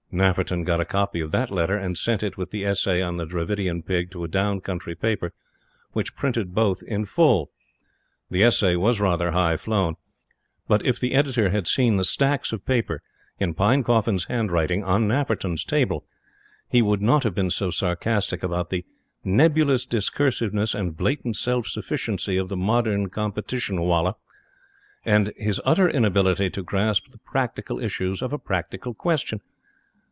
Nafferton got a copy of that letter, and sent it, with the essay on the Dravidian Pig, to a down country paper, which printed both in full. The essay was rather highflown; but if the Editor had seen the stacks of paper, in Pinecoffin's handwriting, on Nafferton's table, he would not have been so sarcastic about the "nebulous discursiveness and blatant self sufficiency of the modern Competition wallah, and his utter inability to grasp the practical issues of a practical question."